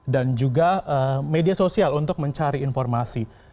dan juga media sosial untuk mencari informasi